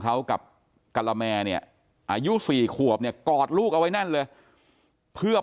เขากับกะละแมเนี่ยอายุ๔ขวบเนี่ยกอดลูกเอาไว้แน่นเลยเพื่อ